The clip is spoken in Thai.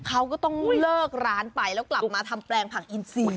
เขาก็ต้องเลิกร้านไปแล้วกลับมาทำแปลงผักอินซี